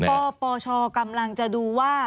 ปปชกำลังจะดูว่า